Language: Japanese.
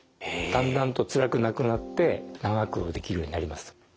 だんだんとつらくなくなって長くできるようになります。